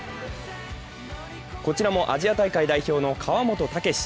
こちらもアジア大会代表の川本武史。